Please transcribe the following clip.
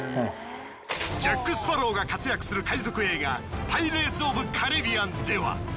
ジャック・スパロウが活躍する海賊映画『パイレーツ・オブ・カリビアン』では。